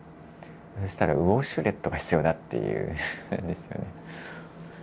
そしたらウォシュレットが必要だっていうんですよね。